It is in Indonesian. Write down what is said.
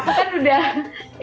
karena kebetulan aku kan udah